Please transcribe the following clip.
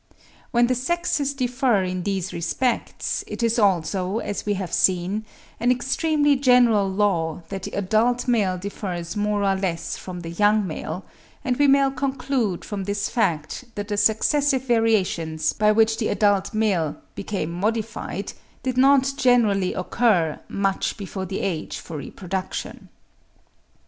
When the sexes differ in these respects, it is also, as we have seen, an extremely general law that the adult male differs more or less from the young male; and we may conclude from this fact that the successive variations, by which the adult male became modified, did not generally occur much before the age for reproduction.